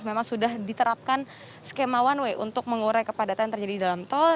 memang sudah diterapkan skema one way untuk mengurai kepadatan yang terjadi di dalam tol